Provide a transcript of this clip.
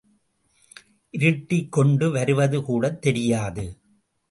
இருட்டிக் கொண்டு வருவதுகூடத் தெரியாது.